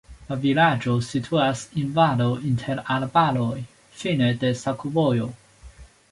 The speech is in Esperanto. La vilaĝo situas en valo inter arbaroj, fine de sakovojo.